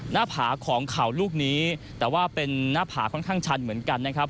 หน้าผาของเข่าลูกนี้แต่ว่าเป็นหน้าผาค่อนข้างชันเหมือนกันนะครับ